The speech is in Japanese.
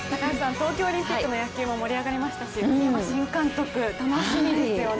東京オリンピックの野球も盛り上がりましたし栗山新監督、楽しみですよね。